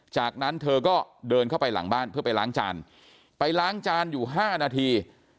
จากนั้นเธอก็เดินเข้าไปหลังบ้านเพื่อไปล้างจานไปล้างจานอยู่๕นาที